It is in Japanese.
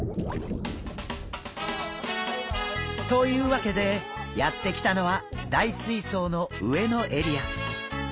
というわけでやって来たのは大水槽の上のエリア。